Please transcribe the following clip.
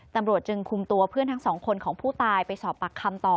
ตำรวจจึงคุมตัวเพื่อนทั้งสองคนของผู้ตายไปสอบปากคำต่อ